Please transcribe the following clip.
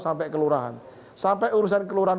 sampai kelurahan sampai urusan kelurahan